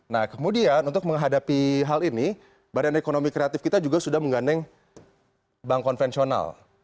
nah kemudian untuk menghadapi hal ini badan ekonomi kreatif kita juga sudah menggandeng bank konvensional